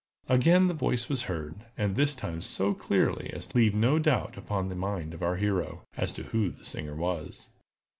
Again the voice was heard, and this time so clearly as to leave no doubt upon the mind of our hero, as to who the singer was.